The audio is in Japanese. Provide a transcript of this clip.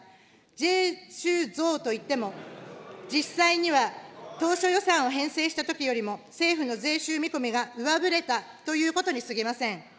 税収増といっても実際には当初予算を編成したときよりも、政府の税収見込みが上振れたということにすぎません。